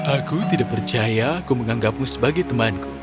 aku tidak percaya aku menganggapmu sebagai temanku